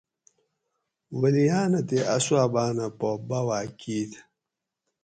ولیاۤنہ تے اصحاباۤںہ پا باواۤ کیت